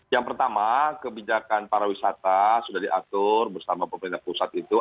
yang pertama kebijakan para wisata sudah diatur bersama pemerintah pusat itu